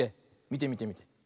みてみてみて。